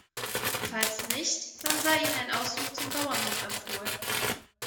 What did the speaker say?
Falls nicht, dann sei Ihnen ein Ausflug zum Bauernhof empfohlen.